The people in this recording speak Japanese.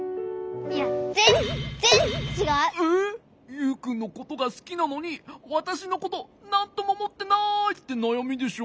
「ユウくんのことがすきなのにわたしのことなんともおもってない」ってなやみでしょ？